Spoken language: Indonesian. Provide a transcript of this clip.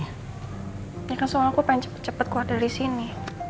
ya kan soal aku pengen cepet cepet keluar dari sini